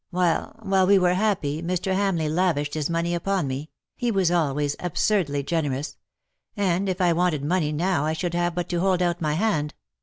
While — while we were happy Mr. Hamleigh lavished his money upon me — ^he was always absurdly generous — and if I wanted money now I should have but to hold out my hand.